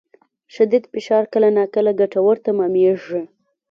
شدید فشار کله ناکله ګټور تمامېږي.